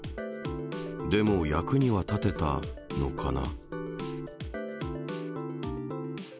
でも役には立てたのかな？